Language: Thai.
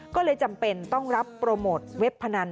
ก็เลยจำเป็นต้องรับโปรโมทเว็บพนัน